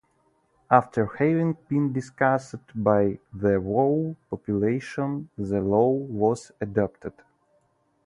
After having been discussed by the whole population, the law was adopted.